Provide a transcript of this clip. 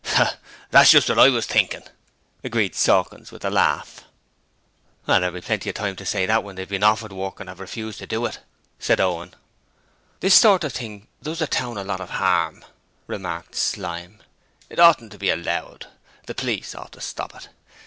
'That's just what I was thinkin',' agreed Sawkins with a laugh. 'There will be plenty of time to say that when they have been offered work and have refused to do it,' said Owen. 'This sort of thing does the town a lot of 'arm,' remarked Slyme; 'it oughtn't to be allowed; the police ought to stop it.